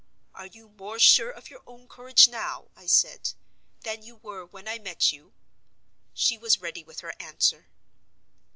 "Are you more sure of your own courage now," I said, "than you were when I met you?" She was ready with her answer.